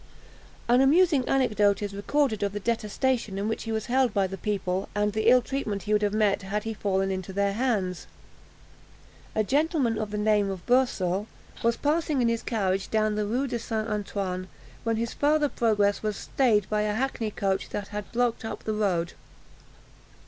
An amusing anecdote is recorded of the detestation in which he was held by the people, and the ill treatment he would have met had he fallen into their hands. A gentleman of the name of Boursel was passing in his carriage down the Rue St. Antoine, when his farther progress was stayed by a hackney coach that had blocked up the road.